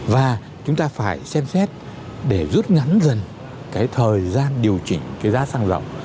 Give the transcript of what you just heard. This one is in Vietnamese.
và chúng ta phải xem xét để rút ngắn dần cái thời gian điều chỉnh cái giá xăng dầu